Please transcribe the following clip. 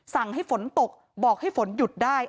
สั่งให้ฝนตกบอกให้ฝนหยุดได้